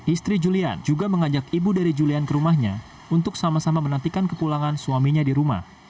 istri julian juga mengajak ibu dari julian ke rumahnya untuk sama sama menantikan kepulangan suaminya di rumah